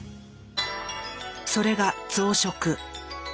それが増殖。